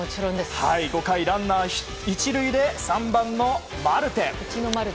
５回、ランナー１塁で３番のマルテ。